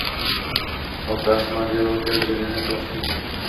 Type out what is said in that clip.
Oltář má dvě velké dřevěné plastiky.